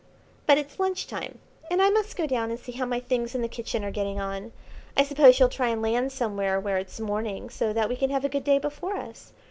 But it's lunch time, and I must go down and see how my things in the kitchen are getting on. I suppose you'll try and land somewhere where it's morning, so that we can have a good day before us.